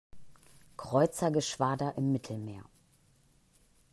Kreuzergeschwader im Mittelmeer.